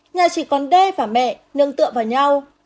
nhà chị con đê và mẹ nương tượng vào nhau